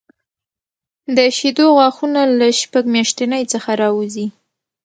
د شېدو غاښونه له شپږ میاشتنۍ څخه راوځي.